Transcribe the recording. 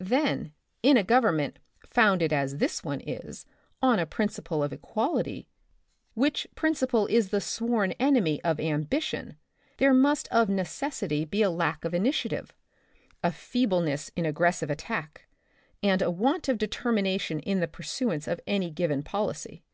Then, in a government, founded as this one is, on a principle of equality, which principle is the sworn enemy of ambition there must of necessity be a lack of initiative, a fee bleness in aggressive attack, and a want of determination in the pursuance of any given policy.